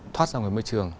thoát ra ngoài môi trường